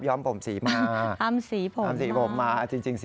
ย้อมผมสีมาทำสีผมมา